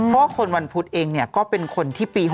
เพราะคนวันพุธเองก็เป็นคนที่ปี๖๐